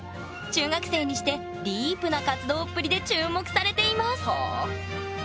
中学生にしてディープな活動っぷりで注目されています。